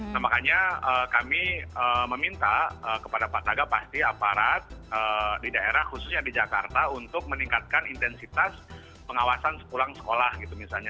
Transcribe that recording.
nah makanya kami meminta kepada pak taga pasti aparat di daerah khususnya di jakarta untuk meningkatkan intensitas pengawasan sepulang sekolah gitu misalnya